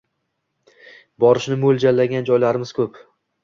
Borishni mo‘ljallagan joylarimiz ko‘p.